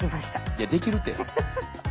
いやできるて。